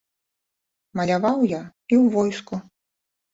Маляваў я і ў войску.